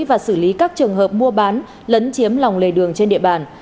và xử lý các trường hợp mua bán lấn chiếm lòng lề đường trên địa bàn